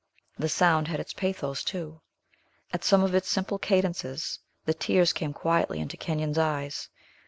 The sound had its pathos too. At some of its simple cadences, the tears came quietly into Kenyon's eyes.